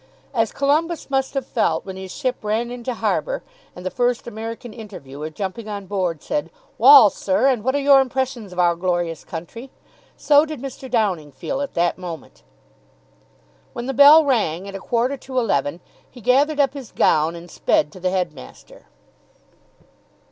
As Columbus must have felt when his ship ran into harbour, and the first American interviewer, jumping on board, said, "Wal, sir, and what are your impressions of our glorious country?" so did Mr. Downing feel at that moment. When the bell rang at a quarter to eleven, he gathered up his gown, and sped to the headmaster.